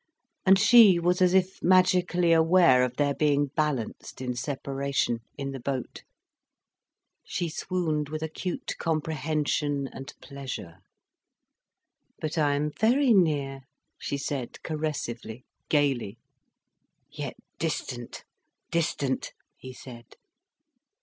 And she was as if magically aware of their being balanced in separation, in the boat. She swooned with acute comprehension and pleasure. "But I'm very near," she said caressively, gaily. "Yet distant, distant," he said.